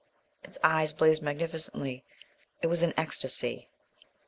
Its eyes blazed magnificently; it was in an ecstasy.